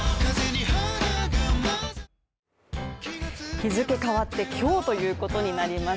日付変わって今日ということになります